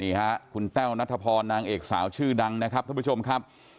นี่ฮะคุณแต้วนัทพรนางเอกสาวชื่อดังนะครับท่านผู้ชมครับ